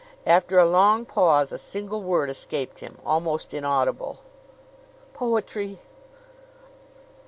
After a long pause a single word escaped him, almost inaudible: "Poetry!"